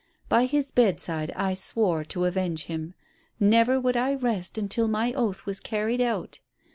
By his bedside I swore to avenge him. Never would I rest until my oath was carried out.